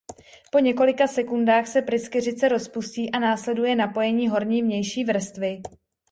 Po několika sekundách se pryskyřice rozpustí a následuje napojení horní vnější vrstvy.